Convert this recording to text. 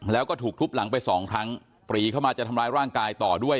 แล้วก็ถูกทุบหลังไปสองครั้งปรีเข้ามาจะทำร้ายร่างกายต่อด้วย